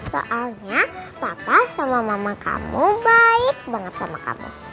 soalnya papa sama mama kamu baik banget sama kamu